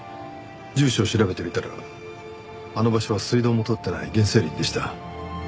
住所を調べてみたらあの場所は水道も通っていない原生林でした。